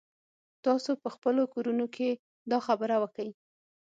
تاسو په خپلو کورونو کښې دا خبره وکئ.